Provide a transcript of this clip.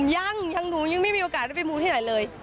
ยังยังหนูยังไม่มีโอกาสได้ไปมูที่ไหนเลย